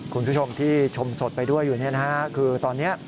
คุณผู้ชมที่ชมสดไปด้วยคือตอนนี้